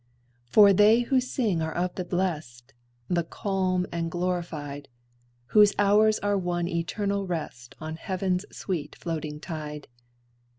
For they who sing are of the blest, The calm and glorified, Whose hours are one eternal rest On heaven's sweet floating tide.